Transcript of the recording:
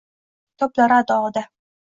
Kitoblari ardogʼida